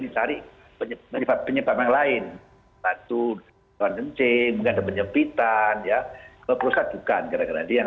mencari penyebab penyebab yang lain satu kencing penyepitan ya perusahaan bukan keren keren yang